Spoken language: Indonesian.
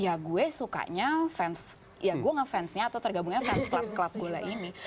ya gue sukanya fans ya gue ngefansnya atau tergabungnya fans klub klub bola ini